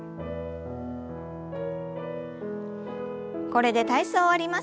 これで体操を終わります。